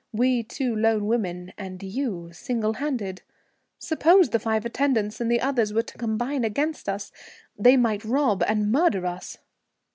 We two lone women and you, single handed. Suppose the five attendants and the others were to combine against us? They might rob and murder us."